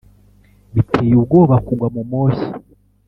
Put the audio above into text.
Biteye ubwoba kugwa mu moshya